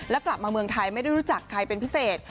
แล้วกลับมาเมืองไทยไม่ได้รู้จักใครเป็นพิเศษ